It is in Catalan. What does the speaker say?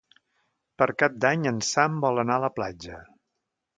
Per Cap d'Any en Sam vol anar a la platja.